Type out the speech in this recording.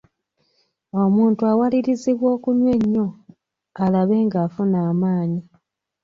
Omuntu awalirizibwa okunywa ennyo alabe ng'afuna amaanyi.